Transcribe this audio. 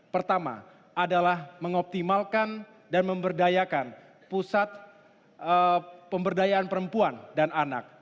pertama adalah mengoptimalkan dan memberdayakan pusat pemberdayaan perempuan dan anak